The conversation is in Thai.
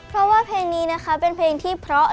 เพราะว่าเพลงนี้นะคะเป็นเพลงที่เพราะ